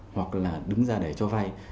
hoặc là đứng ra để cho vay